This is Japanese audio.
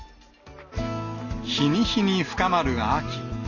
日に日に深まる秋。